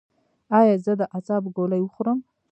ایا زه د اعصابو ګولۍ وخورم؟